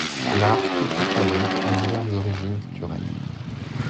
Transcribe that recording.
L'art Kulturfabrik a diverses origines culturelles.